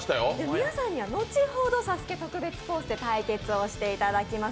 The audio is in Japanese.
皆さんには後ほど「ＳＡＳＵＫＥ」特別コースで対決していただきます。